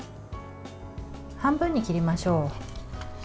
半分に切りましょう。